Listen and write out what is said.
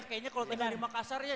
kayaknya kalau tinggal di makassar ya